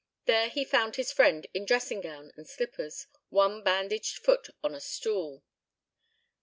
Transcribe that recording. There he found his friend in dressing gown and slippers, one bandaged foot on a stool.